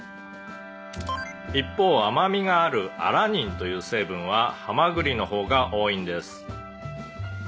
「一方甘みがあるアラニンという成分はハマグリの方が多いんです」